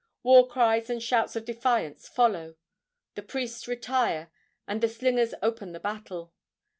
War cries and shouts of defiance follow. The priests retire, and the slingers open the battle.